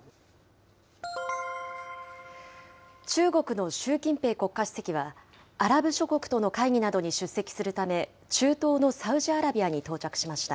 中国の習近平国家主席は、アラブ諸国との会議などに出席するため、中東のサウジアラビアに到着しました。